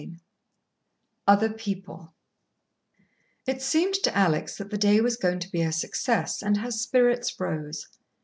V Other People It seemed to Alex that the day was going to be a success, and her spirits rose.